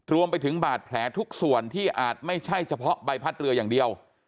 รวมไปถึงบาดแผลทุกส่วนที่อาจไม่ใช่เฉพาะใบพัดเรืออย่างเดียว